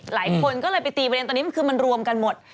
หลายคนก็เลยไปตีประเด็นตอนนี้มันคือมันรวมกันหมด